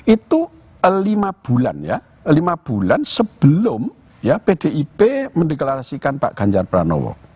itu lima bulan ya lima bulan sebelum pdip mendeklarasikan pak ganjar pranowo